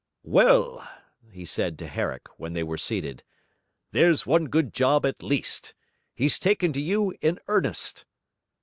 'Well,' he said to Herrick, when they were seated, 'there's one good job at least. He's taken to you in earnest.'